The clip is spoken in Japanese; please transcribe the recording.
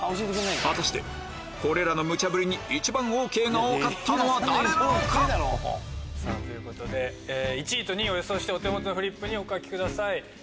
果たしてこれらのムチャブリに一番ＯＫが多かったのは誰なのか⁉１位と２位を予想してお手元のフリップにお書きください。